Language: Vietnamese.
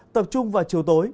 tập trung vào chiều tối